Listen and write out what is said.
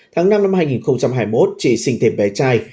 tháng năm năm hai nghìn hai mươi một chị sinh thêm bé trai